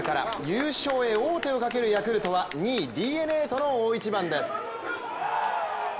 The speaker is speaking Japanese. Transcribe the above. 優勝へ大手をかけるヤクルトは２位と大一番です。